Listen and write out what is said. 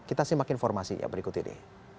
kita simak informasi yang berikut ini